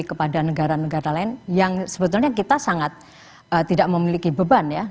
kepada negara negara lain yang sebetulnya kita sangat tidak memiliki beban ya